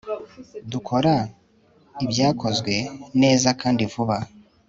dukora ibyakozwe neza kandi vuba